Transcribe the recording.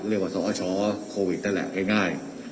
ว่าสอชโควิดนั่นแหละง่าย